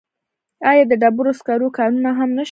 آیا د ډبرو سکرو کانونه هم نشته؟